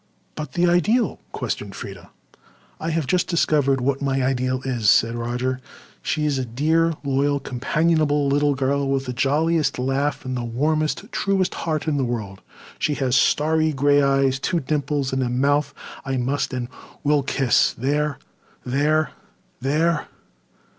"But the Ideal?" questioned Freda. "I have just discovered what my ideal is," said Roger. "She is a dear, loyal, companionable little girl, with the jolliest laugh and the warmest, truest heart in the world. She has starry grey eyes, two dimples, and a mouth I must and will kiss—there—there—there!